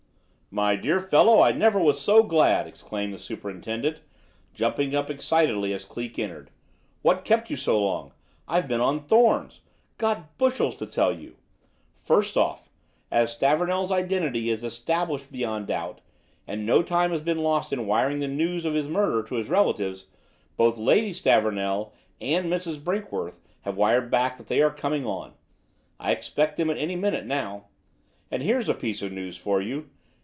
"My dear fellow, I never was so glad!" exclaimed the superintendent, jumping up excitedly as Cleek entered. "What kept you so long? I've been on thorns. Got bushels to tell you. First off, as Stavornell's identity is established beyond doubt, and no time has been lost in wiring the news of the murder to his relatives, both Lady Stavornell and Mrs. Brinkworth have wired back that they are coming on. I expect them at any minute now. And here's a piece of news for you.